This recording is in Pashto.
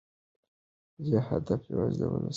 د ده هدف یوازې د ولس خدمت دی.